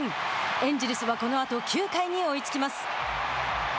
エンジェルスはこのあと９回に追いつきます。